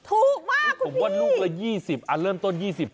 ถูกมากคุณพี่ผมว่าลูกละ๒๐บาทเริ่มต้น๒๐บาทถูกนะ